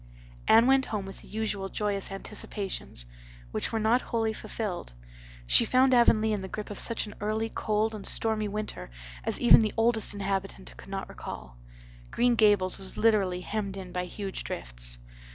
Anne went home with the usual joyous anticipations—which were not wholly fulfilled. She found Avonlea in the grip of such an early, cold, and stormy winter as even the "oldest inhabitant" could not recall. Green Gables was literally hemmed in by huge drifts.